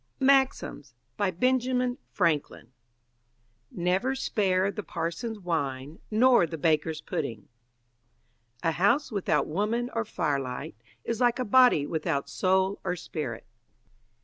MAXIMS BY BENJAMIN FRANKLIN Never spare the parson's wine, nor the baker's pudding. A house without woman or firelight is like a body without soul or spirit.